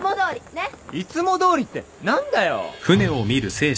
ねっ？いつもどおりって何だよ。